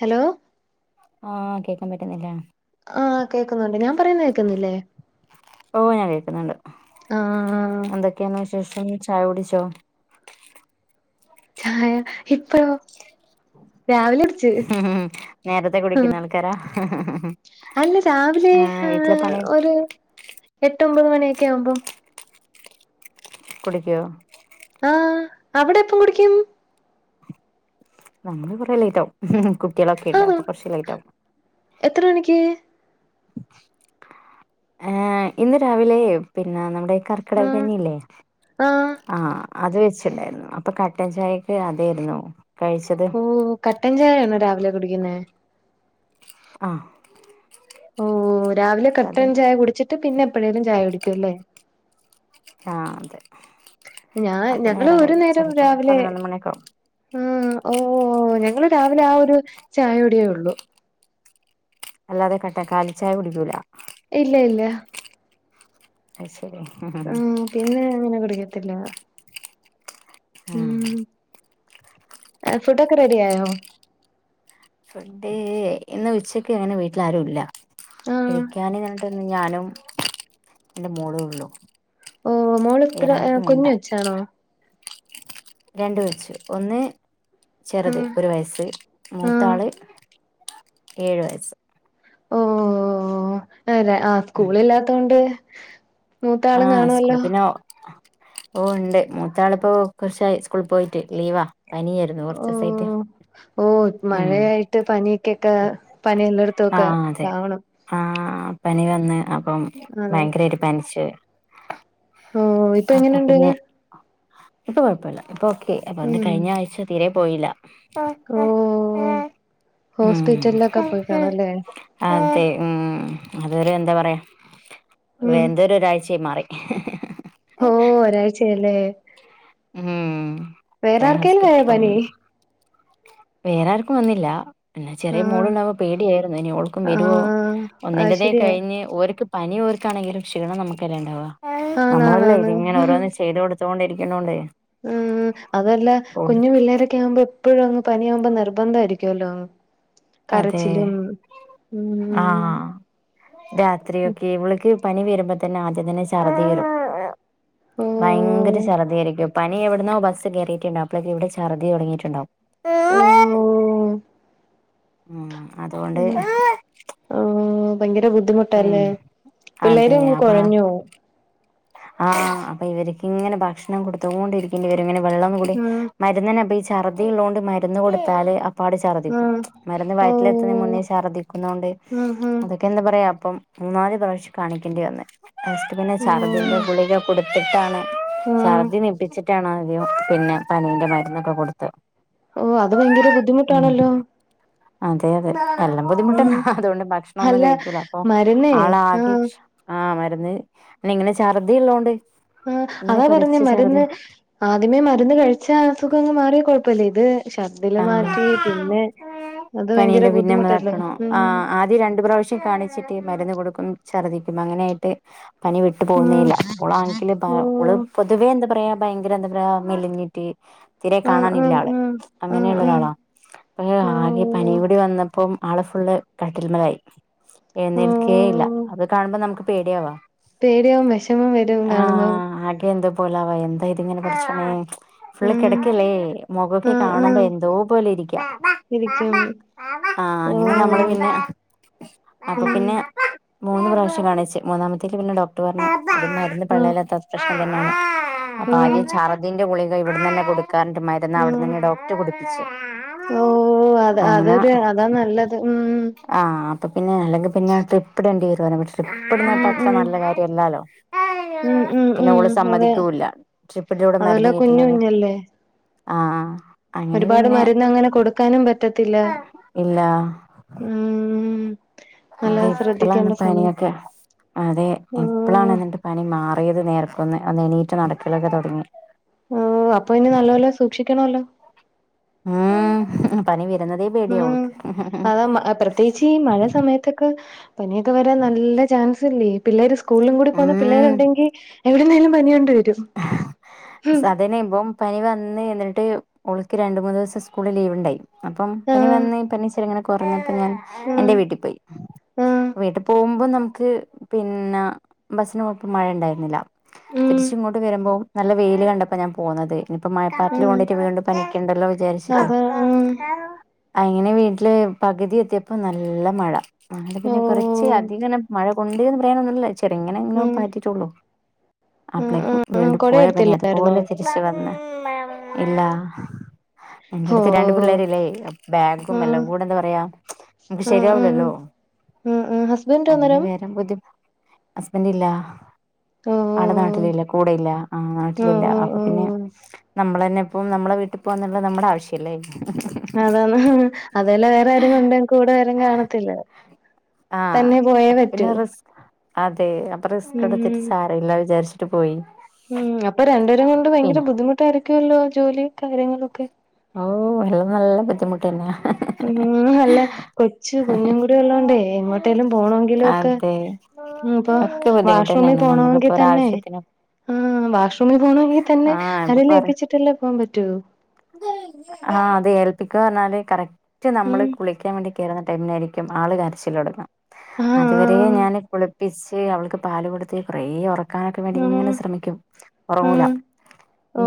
Hello ആഹ് കേക്കാൻ പറ്റുന്നില്ലേ ആഹ് കേക്കുന്നുണ്ട് ഞാൻ പറയുന്ന കേക്കുന്നില്ലേ ഓഹ് ഞാൻ കേക്ക്ന്ന്ണ്ട് ആഹ് എന്തൊക്കെയാന്ന് വിശേഷം ചായ കുടിച്ചോ ചായ ഇപ്പഴോ രാവിലെ എടു നേരത്തെ കുടിക്കുന്ന ആൾക്കാരാ അല്ല രാവിലെ ആ വീട്ടിലെ പണി ഒരു എട്ടൊമ്പത് മണിയൊക്കെ ആവുമ്പം കുടിക്കോ ആഹ് അവിടെപ്പം കുടിക്കും നമ്മള് കൊറെ ലേറ്റാവും കുട്ടികളൊക്കെ ഇല്ലെ ആണോ അപ്പൊ കൊറച്ച് ലേറ്റ് ആവും എത്ര മണിക്ക് ഏഹ് ഇന്ന് രാവിലെ പിന്നെ നമ്മടെ കർക്കടക ആഹ് കഞ്ഞിയില്ലെ ആഹ് അത് വെച്ചിണ്ടായിരുന്നു അപ്പൊ കട്ടൻ ചായക്ക് അതായിരുന്നു കഴിച്ചത് ഓഹ് കട്ടഞ്ചായാണോ രാവിലെ കുടിക്കുന്നെ ആഹ് ഓഹ് രാവിലെ കട്ടൻ അതന്നെ ചായ കുടിച്ചിട്ട് പിന്നെ എപ്പഴേലും ചായ കുടിക്കുല്ലേ ആ അതെ ഞാൻ അപ്പൊ ഞങ്ങള് നേരം വൈകും ചെലപ്പോ പതിനൊന്ന് മണിയൊക്കാവും മ് ഓഹ് ഞങ്ങള് രാവിലെ ആ ഒരു ചായ കുടിയേ ഒള്ളൂ അല്ലാതെ കട്ട കാലിച്ചായ കുടിക്കൂല ഇല്ല ഇല്ല അയ് ശരി ആഹ് പിന്നെ ഞങ്ങളങ്ങനെ കുടിക്കത്തില്ല ആ മ് ഫുഡോക്കെ റെഡിയായോ ഫുഡ് ഇന്ന് ഉച്ചക്ക് അങ്ങനെ വീട്ടിൽ ആരും ഇല്ല ആഹ് കഴിക്കാന് ഞാൻ ട്ടന്ന് ഞാനും എന്റെ മോളേ ഒള്ളൂ ഓ മോളത്ര കുഞ്ഞോച്ചാണോ രണ്ട് കൊച്ച് ഒന്ന് ചെറുത് ആഹ് ഒരു വയസ്സ് ആഹ് മൂത്താള് ഏഴു വയസ്സ് ഓ ഹ് നെരെ ആ ഉം സ്കൂളില്ലാത്തകൊണ്ട് ആഹ് സ്കൂള് പിന്നെ ഓ ഇണ്ട് മൂത്താളിപ്പോ കൊറച്ചായി സ്കൂളി പോയിട്ട് ലീവാ പനിയാരുന്നു ഓ കൊറച്ചിസായിട്ട് ഓ മഴയായിട്ട് പനിക്കൊക്കെ പനിയെല്ലാട ആഹ് അതെ ആ പനി വന്ന് അപ്പം അതെ ഭയങ്കരായിട്ട് പനിച്ച് ഓ ഇപ്പൊ അപ്പൊ എങ്ങനെണ്ട് പിന്നെ ഇപ്പൊ കൊഴപ്പയില്ല ഇപ്പൊ ഓക്കെയായി അതോണ്ട് കഴിഞ്ഞ ആഴ്ച തീരെ പോയില്ല ഓഹ് ഹോസ്പിറ്റലിലൊക്കെ ഉം പോയിക്കാണു അല്ലേ അതെ ഉം അതൊരു എന്താ പറയാ ഉം വേന്തരു രാഴ്ചെ മാറി ഓഹ് ഒരാഴ്ച്ചായി ല്ലേ ഉം വേറെ ക്രൈ ആർക്കേലായൊ ഹോസ്പിറ്റലും പനി? വേറെ ആർക്കും വന്നില്ല. പിന്നെ ചെറിയ ആഹ് മോളുള്ളാവുമ്പോ പേടിയായ്രുന്നു. ഇനി ഓൾക്കും വെരോ ആഹ് അത് ഒന്നിന്റതേ ശരിയാ കഴിഞ്ഞ് ഓർക്ക് പനി ഓർക്കാണെങ്കിലും ക്ഷീണം നമുക്കല്ലേ ണ്ടാവ നമ്മളല്ലാം ആണാണാണ് ഇത് ങ്ങനെ ഓരോന്ന് ചെയ്ത് കൊടു ത്തോണ്ടിരിക്ക്ണോണ്ടേ ഉം അതല്ല കുഞ്ഞു പിള്ളേരൊക്കെ ആവുമ്പോ എപ്പോഴും അങ്ങ് പനിയാമ്പോ നിർബന്ധായിരിക്കുവല്ലോ. അതെ കരച്ചിലും ഉം ആഹ് രാത്രിയൊക്കെ ഇവെൾക്ക് പനി വരുമ്പോ തന്നെ ആദ്യം തന്നെ ഛർദി വരും ഭയങ്കര ഓഹ് ഛർദിയായിരിക്കും. പനി എവ്ടന്നോ ബസ്സ് കേറിയിട്ടുണ്ടാവും. അപ്ലക്ക് ഇവിടെ ചർദി തൊട്ങ്ങിട്ട്ണ്ടാവും. ഓഹ് ഉം അതൊണ്ട് ഉം ഓഹ് ഭയങ്കര ബുദ്ധിമുട്ടാ ഉം ല്ലേ പിള്ളേര് അതെ അങ്ങ് അപ്പ കൊഴഞ്ഞ് പൊവും. ആഹ് അപ്പ ഇവര്ക്ക് ങ്ങനെ ഭക്ഷണം കൊട്ത്തോണ്ടിരിക്കേണ്ടി വെരും ഇങ്ങനെ വെള്ളം കുടി മരുന്നിനെ അപ്പെ ഈ ചർദി ഉള്ളോണ്ട് മര്ന്ന് കൊടുത്താല് പാട് ഉം ഛർദ്ദിക്കും ആഹ് മരുന്ന് വയറ്റിലെത്തുന്നേ മുന്നേ ഓഹ് ഛർദ്ദിക്കുന്നോണ്ട് ഉം ഉം അത് ക്കെന്താ പറയാ അപ്പം മൂന്നാല് പ്രാവശ്യം കാണിക്കേണ്ടി വന്ന് [unintelligible] എന്തോ ഓഹ് ഗുളിക കൊടുത്തിട്ടാണ് ആഹ് ഛർദി നിപ്പിച് ആദ്യം പിന്നെ പനീന്റെ മര്ന്നൊക്കെ കൊട്ത്ത് ഓഹ് അത് ഭയങ്കര ബുദ്ധിമുട്ടാണല്ലോ. അതെ അതെ എല്ലാം ബുദ്ധിമുട്ടന്നെ ഉം അത്കൊണ്ട് ഭക്ഷണൊന്നും അല്ല കഴിക്കൂല അപ്പൊ മരുന്നേ ആളാകെ ആഹ് ആഹ് മരുന്ന് ന്നെ ഇങ്ങനെ ഛർദിള്ളോണ്ട് ആഹ് അതാ പറഞ്ഞേ മരുന്ന് ആദ്യമേ മരുന്ന് കഴിച്ചാ അസുഖങ്ങ് മാറിയാ കൊഴ്പ്പല്ല ഇത് ഷറ്ദ്ധില് ആ മാറ്റി പിന്നെ അത് ഭയങ്കര പനീന്റെ ബുദ്ധിമുട്ടല്ലേ പിന്നെമ്മതാക്കണം ഉം ആഹ് ആഹ് ത് രണ്ട് പ്രാവ്ശ്യം കാണിച്ചിട്ട് ഈ മരുന്ന് കൊടുക്കും ഛർദ്ദിക്കും അങ്ങനെയായിട്ട് പനി വിട്ട് ഉം പോവുന്നേല്ല ഓള് ആങ്കില് ബാ ഓള് ഓഹ് പൊതുവേ എന്താ പറയാ ഭയങ്കര എന്താ പറയാ മെലിഞ്ഞിട്ട് തിരെ ആഹ് കാണാനില്ല ആഹ് ആള് ആഹ് ആഹ് ആഹ് അങ്ങനെയുള്ളരാളാ അപ്പൊ ആകെ ഓഹ് ടി വന്നപ്പോ ആള് ഫുള്ള് കട്ടിൽ മലായി എഴ്ന്നേക്കെ ഇല്ല ഓഹ് അത് കാണുമ്പ നമുക് പേടിയാവ പേടിയാവും വെഷമം വരും കാണുമ്പോ ആകെ എന്തോ പോലാവ എന്തായിത്ങ്ങെനെ പട്ച്ചോനെ ഫുള്ള് ഉം കെടക്കല്ലേ മുഖൊക്കെ ആഹ് കാണുമ്പോ ആഹ് എന്തോ പോലെരിക്ക ഇരിക്കും ആഹ് അങ്ങനെ നമ്മള് ഓഹ് പിന്നെ അപ്പ ഉം പിന്നെ മൂന്ന് പ്രാവിശ്യം കാണിച്ച് മൂന്നാമത്തേക്ക് പിന്നെ ഡോക്ടർ പർഞ്ഞ് ത് മര്ന്ന് ഉം പള്ളേലത്താത്ത പ്രശ്നം തന്നേണ്. അപ്പം ഉം ആദ്യം ഛർദിന്റെ ഗുളിക ഇവ്ട്ന്നെന്നെ കൊടുക്കാറ്ഞ്ഞ്ണ്ട് മര്ന്ന് ഉം അവ്ട്ന്നെന്നെ ഡോക്ട് കുടിപ്പിച്ച് ഓഹ് അത് അങ്ങനെ അതൊരു അതാ നല്ലത് ഉം ആഹ് അപ്പ പിന്നെ അല്ലെങ്കിൽ പിന്നെ ട്രിപ്പ്ടെണ്ടി വരും ഉം ട്രിപ്പ്ട്ണപ്പത്ര ഉം നല്ല കാര്യല്ലാലോ ഉം ഉം പിന്നെ ഓള് ഉം അതെ സമ്മതിക്കൂല്ല ട്രിപ്പിന്റെ കൂടെ അതുവല്ല മരുന്ന് കുഞ്ഞു കേറ്റുന്നത്. കുഞ്ഞല്ലേ ആഹ് ആഹ് ഒരുപാട് മരുന്നങ്ങനെ കൊടുക്കാനും പറ്റത്തില്ല. ഇല്ല ഉം നല്ല അതെ ഇപ്പ്ളാണ് ശ്രദ്ധിക്കേണ്ട സമയം പനിയൊക്കെ അതെ ഇപ്പ്ളാണ് ആഹ് എന്നി പനി മാറിയത് നേർക്കൊന്ന് ഒന്നെണീറ്റ് നടക്കലൊക്കെ തൊട്ങ്ങി ഓഹ് അപ്പൊ ഇനി നല്ല പോലെ സൂക്ഷിക്കണോല്ലോ ഉം പനി വരുന്നതേ പേടിയാ ഓൾക്ക് പ്രത്യേയ്ച്ച് ഈ മഴ സമയത്തൊക്കെ പനിയൊക്കെ വരാൻ നല്ല ചാൻസ് ല്ലേ പിള്ളേര് സ് കൂൾലും കൂടി പോകുന്ന ഉം പിള്ളേരുണ്ടെങ്കി എവിട്ന്നേലും പനി കൊണ്ട് വരും. സ ഉം അത് നുബം പനി വന്ന് എന്നിട്ട് ഓള്ക്ക് രണ്ട് മൂന്ന്സം സ്കൂള് ലീവ് ഇണ്ടായി അപ്പം പനി ആഹ് വന്ന് പനി ഇച്ചിരിങ്ങനെ കൊർഞ്ഞപ്പൊ ഞാൻ ആഹ് എന്റെ വീട്ടി പോയി ആഹ് വീട്ട് പോവുമ്പോ നമുക്ക് പിന്നെ ബസ്സ്ന് പോഒപ്പം മഴ ഇണ്ടായിരുന്നില്ല ഉം തിരിച്ങ്ങോ ട്ട് വരുമ്പോ നല്ല വെയ്ൽ കണ്ടപ്പോ ഞാൻ പോന്നത് ഇനിപ്പ മഴപ്പാറ്റ്ൽ ഉം കൊണ്ടിട്ട് വീണ്ട് പനിക്കണ്ടല്ലോ വിജാര്ച്ചിട്ട് അതാ ഉം അങ്ങനെ വീട്ടില് പകുതി എത്തിയപ്പോ നല്ല മഴ അങ്ങനെ പിന്നെ കൊറച്ച് ഓഹ് അധികനം മഴ കൊണ്ണ്ട്ന്ന് പറയാനൊന്നുല്ല ചെർങ്ങനെങ്ങനൊ ഉം പാറ്റിട്ടുള്ളു ഉം അപ്പളേക്കും ഉം ഉം വീണ്ടും കൊട പോയ പനി എടുത്തില്ലായിരുന്നോ അതുപോലെ തിരിച്ച് ഇഷ് വന്ന് ഇല്ല. എന്റെ ഓ അടുത്ത് രണ്ട് പിള്ളേരല്ലേ ബാഗും ഉം എല്ലാം കൂടെ എന്താ പറയാ അത് ഉം ഉം ശരിയാവൂല്ലോ ഉം ഉം ഹസ്ബൻഡ് അങ്ങനെ അന്നേരം വേറെ ബുദ്ധിമു അസ്ബന്റ് ഇല്ല ഓ ആള് നാട്ടിൽ ല്ല കൂടെ ഇല്ല ആഹ് ഓ നാട്ടിലില്ല ഓ അപ്പൊ പിന്നെ ഓ നമ്മളന്നെ ഇപ്പം നമ്മളെ വീട്ടി പോവാന്നുള്ളത് നമ്മുടെ ആവശ്യല്ലേ അതാന്ന് ഹ് അതല്ല വേറെ ആരും കൊണ്ട കൂടെ വരും കാണത്തില്ല ആഹ് തന്നെ പോയേ അപ്പൊ പറ്റൂ പിന്നെ റിസ് അതെ അപ്പ ഉം റിസ്കട്ത്തിട്ട് സാരല്ല വിചാരിച്ചിട്ട് പോയി ഉം അപ്പൊ രണ്ടേരും കൊണ്ട് ബൈങ്കര പിന്നെ ബുദ്ധിമുട്ടായിരിക്കല്ലോ ജോലിം കാര്യങ്ങളൊക്കെ ഓ എല്ലാം നല്ല ബുദ്ധിമുട്ടെന്ന്യാ ഉം അല്ല കൊച്ചു കുഞ്ഞുംകൂടി ഉള്ളോണ്ടേ എങ്ങോട്ടേലും പോണങ്കിലും ഒക്കെ അതെ ഉം പ്പൊ ഒക്കെ ബുദ്ധിമുട്ട് വാഷ്റൂമി തന്നെയാണ് പോണവെങ്കി നമുക്കിപ്പോ തന്നെ ഒരാവശ്യത്തിന് ഹ്മ് വാഷ്റൂമിൽ പോകണങ്കി തന്നെ ആഹ് ഇപ്പൊ അരേൽ പറ ഏൽപ്പിച്ട്ടല്ലേ പോവാൻ പറ്റു ആഹ് അത് ഏൽപ്പിക്ക അർഞ്ഞാല് കറക്റ്റ് നമ്മള് ഉം കുളിക്കാൻ വേണ്ടി കേർന്ന ടൈമ്ലായിരിക്കും ആള് കരച്ചിലൊട്ങ്ങ അതുവര ആഹ് ഞാൻ കുളി പ്പിച്ച് അവൾക്ക് പാല് കൊടുത്തി കൊറേ ഒറ ക്കാനൊക്കെ വേണ്ടി ഇങ്ങനെ ആഹ് ശ്രമിക്കും ഒറങ്ങൂല ആഹ്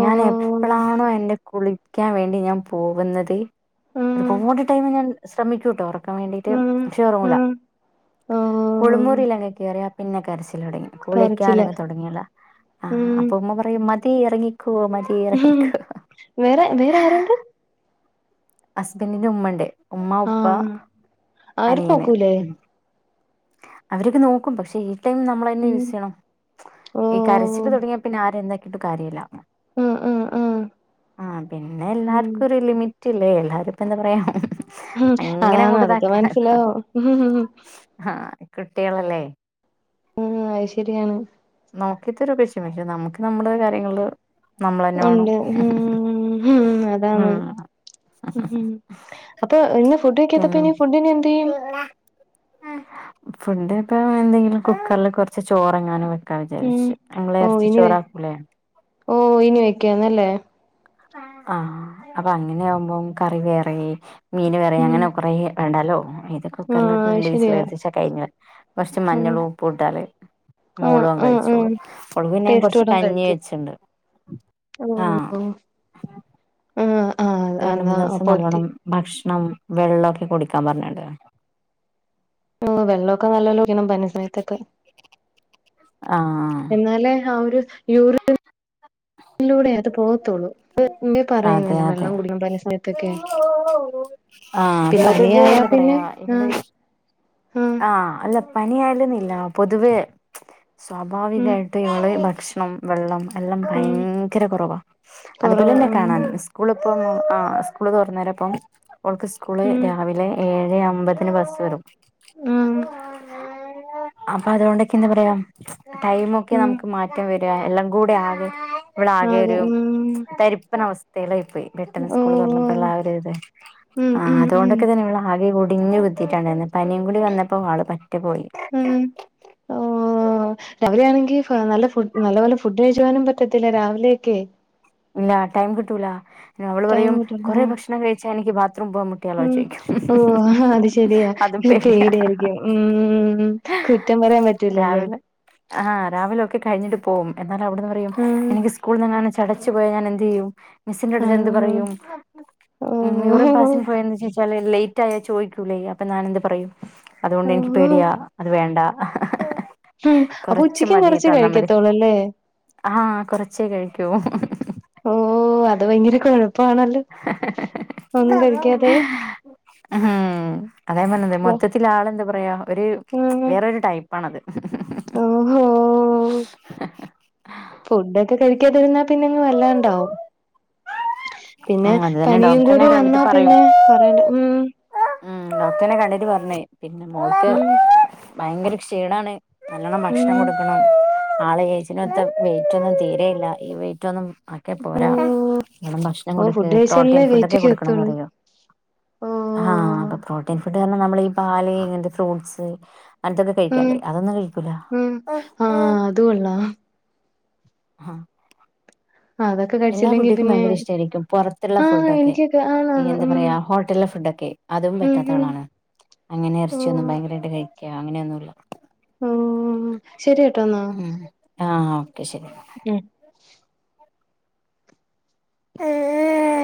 ഞാൻ എപ്ളാണോ എന്റെ കുളിക്കാൻ വേണ്ടി ഞാൻ പോകുന്നത് ഒരു ആഹ് പാട് ടൈമ് ഞാൻ ശ്രമിക്കൂട്ടോ ഒർ ക്കാൻ വേണ്ടീട്ട് ആഹ് ചെറുല ആഹ് ഓഹ് കുളിമുറിയിലങ്ങ് കേറിയാ പിന്നെ കരച്ചിലൊടങ്ങി കരച്ചില് കുളിക്കാനങ്ങ് തൊടങ്ങിയാലാ ആഹ് ഉം അപ്പൊ ഉമ്മ പറയും മതി എറങ്ങിക്കോ മതി ഉംഹ് ഇറങ്ങിക്കോ വേറെ വേറെ ആരുണ്ട് അസ്ബൻറിന്റെ ഉമ്മണ്ട് ഉമ്മ ഉപ്പ ആഹ് അവര് അനിയന് നോക്കൂലേ ഉം അവരൊക്കെ നോക്കും പക്ഷെ ഈ ടൈം നമ്മൾന്നെ ഉം യൂസെയ്യണം ഈ കരച്ചില് ഓഹ് തൊടങ്ങിയ പിന്നെ ആരെ എന്താക്കിട്ടു കാര്യല്ല ആഹ് ആഹ് ആഹ് ആഹ് പിന്നെ ഉം എല്ലാർക്കും ഒരു ലിമി പറ്റില്ലേ എല്ലാരുംപ്പെന്താ പറയാ ഉം അങ്ങനെ അതാണ് അങ്ങോട്ട് അതൊക്കെ ഇതാക്കാനക്ക മനസ്സിലാവും ആഹ് കുട്ടികളല്ലേ ഉം അഹ് ശെരിയാണ് നോക്കിത്തരും പക്ഷെ നമുക്ക് നമ്മളെ കാര്യങ്ങള് നമ്മളന്നെ വേണം ഉണ്ട് ഉം ഉം ഉം അതാണ് ഉം അപ്പൊ ഇന്ന് ഫുഡ് കെക്കാത്തപ്പ പിന്നെ ഇനി ഫുഡിനി എന്തെയ്യും ഫുഡക്കെ എന്തെങ്കിലും കുക്കറില് കൊറച്ച് ചോറങ്ങാനും വെ ക്കാന്ന് ഉം വിജാരിച്ച് അമ്മള് എറച്ചി ഇനി ചോറാക്കൂലെ ഓഹ് ഇനി വയ്ക്കാന്നല്ലേ ആഹ് അപ്പൊ അങ്ങനെ ആവുമ്പോം കറി വേറെ മീൻ വേറെ ഉം അങ്ങനെ കൊറെ വേണ്ടാലോ ഇത് കുക്കർൽ ഇട്ട് ആഹ് രണ്ട് വിസ്ൽ ശരിയാ കേപ്പിച്ചാ കഴിഞ്ഞ് കൊറച്ച് ആഹ് മഞ്ഞളു ഉപ്പു ഇട്ടാല് ആഹ് മോളു ആഹ് ആഹ് അങ്കഴിച്ചോളും ഓൾക്ക് പിന്നെ ഞാ കൊറച്ച് ടേസ്റ്റോടം കഞ്ഞി കഴിക്കും വെച്ച്ണ്ട് ഓഹ് ആഹ് ആഹ് പ്പൊ രണ്ട് എന്നാ മൂന്നുസം അപ്പൊ ഒത്തി നല്ലോണം ഭക്ഷണം, വെള്ളം, ഒക്കെ കുടിക്കാൻ പറഞ്ഞ്ണ്ട് വെള്ളമൊക്കെ നല്ലോക്കണം പന്യസമയത്തൊക്കെ ആഹ് ന്നാലേ യൂറി ഇല്ലൂടെഅത് പോകത്തുള്ളൂ അതെ പറയുന്നില്ലേ അതെ വെള്ളം കുടിക്കുമ്പ പറഞ്ഞ സമയത്തൊക്കെ ആഹ് പിന്നെ പനി പൊതുവേ ആയ എന്താ പിന്നെ പറയാ ആഹ് ആഹ് ആ അല്ല പനി ആയാലുന്നില്ല പൊതുവേ ഉം സ്വാഭാവികമായിട്ട് ഇവള് ഭക്ഷണം വെള്ളം എല്ലാം ഉം ഭയങ്കര കുറവാ അതുപോലെ കൊറവാ തന്നെ ഉം കാണാൻ സ്കൂളിപ്പം ആ സ്കൂള് തുറന്ന നേരപ്പം വോൾക്ക് സ്കൂള് ഉം രാവിലെ ഏഴെ അമ്പതിന് ബസ് വരും ആഹ് അപ്പൊ അതുകൊണ്ടൊക്കെ എന്താ പറയാ ടൈമ് ഒക്കെ ഉം നമുക്ക് മാറ്റം വരിക എല്ലാം കൂടെ ആകെ ആകെ ഇവളാകെരു ഉം തരിപ്പന അവസ്ഥയിലായിപ്പോയി പെട്ടെന്ന് സ്കൂള് തുറന്നപ്പോഴ ഉള്ള ഓഹ് ആ ഒരു ഇത് ഉം ആ ഉം ഉം അതുകൊണ്ടൊക്കെ തന്നെ ഇവൾ ആകെ കുടിഞ്ഞ് കുത്തിട്ടുണ്ടാരുന്ന് പനിയും കൂടി വന്നപ്പോൾ ആള് പറ്റ പോയി ഉം ഓ രാവിലെ ആണെങ്കിൽ നല്ല ഫു് നല്ല പോലെ ഫുഡ് കഴിക്കുവാനും പറ്റത്തില്ല രാവിലെയൊക്കെ ഇല്ല ടൈം കിട്ടൂല അവള് ടൈം പറയും കിട്ടൂല കൊറെ ഭക്ഷണം കഴിച്ചാൽ എനിക്ക് ബാത്റൂം പോവാൻ മുട്ടിയാലോന്ന് ഉം ചോദിക്കും ഓ അത് ശെരിയാ അതും പേടിയാ പേടിയായിരിക്കും ഉ കുറ്റം പറയാൻ പറ്റൂലല്ലോ രാവിലെ ആഹ് രാവിലെ ഒക്കെ കഴിഞ്ഞിട്ട് പോകും എന്നാലവിടന്ന് പറയും ഉം എനിക്ക് സ്കൂളിനിങ്ങാനും പോയാ ഞാൻ എന്ത് ചെയ്യും മി സ്സിന്റെ അടുത്ത് എന്ത് ആഹ് പറയും ഉ യൂറിൻ ഓഹ് പാസിന് പോയ ലേറ്റ് ആയാ ചോയിക്കൂല്ലേ അപ്പൊ ഞാനെന്ത് പറയും അതുകൊണ്ട് എനിക്ക് ഓഹ് പേടിയാ അത് വേണ്ട ഉം അപ്പൊ ഉച്ചക്കും കൊറച്ചേ കഴിക്കത്തോളല്ലേ ആഹ കൊറച്ചേ കഴിക്കൂ ഓ അത് ഭയങ്കര കുഴപ്പാണല്ലോ ഒന്നും കഴിക്കാതെ ഉം അതേ പറഞ്ഞത് ഉം മൊത്തത്തിലാ ളെന്താ പറയാ ഒരു വേറൊരു ടൈപ്പ് പ്പാണത്. ഓഹോ ഫുഡ്‌ഒക്കെ കഴിക്കാതിരുന്നാൽ പിന്നെങ് വല്ലാണ്ടാവും പിന്നെ ഉം അത് തന്നെ പനിയും ഡോക്ടറിനെ കൂടി വന്നാ കണ്ടിട്ട് പിന്നെ പറയണ്ട ഉം ഉ ഡോക്ടറിനെ കാണാൻ പറഞ്ഞേ പിന്നെ മോൽക്ക് ഉം ഭയങ്കര ക്ഷീണാണ് നല്ലോണം ഉം ഭക്ഷണം കൊടുക്കണം ആള് ഏജിനൊത്ത വെയ്റ്റ് ഒന്നും തീരെയില്ല ഈ വെയിറ്റ് ഒന്നും ഓ പോരാ നി ഭക്ഷണം ഓ കൊടുക്ക് ഫുഡ് പ്രോട്ടീൻ കഴിച്ചാലല്ലേ വെയിറ്റ് ഫുഡൊക്കെ കൊടുക്കണംന്ന് കേത്തുള്ളൂ പറയ ഓ ആഹ അപ്പൊ പ്രോട്ടീൻ ഫുഡ്ന്ന്റ ഞ്ഞ നമ്മൾ ഈ പാല് ഇങ്ങനത്തെ ഫ്രൂട്ട്സ് അനത്തൊക്കെ കഴിക്കണ്ടേ അതൊന്നും കഴിക്കൂല ആഹ അത്കൊള്ളാം ആഹ അതൊക്കെ എല്ലാ കഴിച്ചില്ലെങ്കി കുട്ടിക്കും പിന്നെ ഭയങ്കര ഇഷ്ട്ട മായിരിക്കും പൊറത്തുള്ള ആഹ് ഫുഡൊക്കെ എനിക്കൊക്കെ ആണാണ് എന്താ ഉം പറയാ ഹോട്ടലിലെ ഫുഡൊക്കെ അതും ഉം പറ്റാത്ത ഉം ആളാണ് അങ്ങനെ ഓ ഇറച്ചിയൊന്നും ഭയങ്കരായിട്ട് കഴിക്ക അങ്ങനെയൊന്നുല്ല ശരിയേട്ടാ ന്നാ ആഹ ഓക്കെ ശരി ഉം ശരി